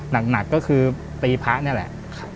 หนักก็คือตีพระนี่แหละ